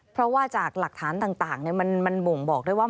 เพราะว่าจากหลักฐานต่างมันบ่งบอกได้ว่า